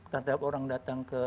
terhadap orang datang ke